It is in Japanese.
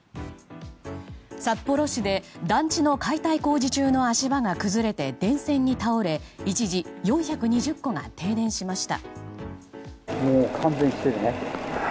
札幌市で団地の解体工事中の足場が崩れて電線に倒れ一時４２０戸が停電しました。